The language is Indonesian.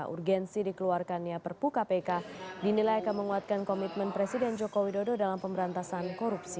urgensi dikeluarkannya perpu kpk dinilai akan menguatkan komitmen presiden jokowi dodo dalam pemberantasan korupsi